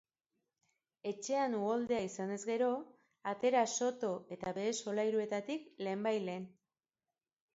Etxean uholdea izanez gero, atera soto eta behe solairuetatik lehen bait lehen.